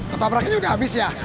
ketua praknya udah habis ya